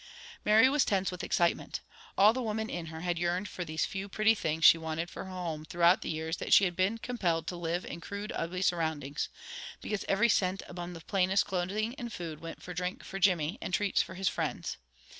Mary was tense with excitement. All the woman in her had yearned for these few pretty things she wanted for her home throughout the years that she had been compelled to live in crude, ugly surroundings; because every cent above plainest clothing and food, went for drink for Jimmy, and treats for his friends.